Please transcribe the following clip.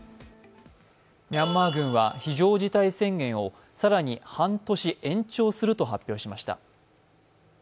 ミャンマー軍は非常事態宣言を更に半年延長すると発表しました。